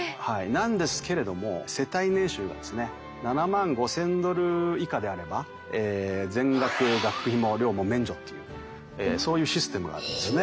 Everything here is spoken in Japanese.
なんですけれども世帯年収がですね７万５，０００ドル以下であれば全額学費も寮も免除っていうそういうシステムがあるんですね。